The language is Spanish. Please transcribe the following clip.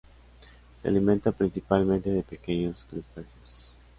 Se alimenta principalmente de pequeños crustáceos.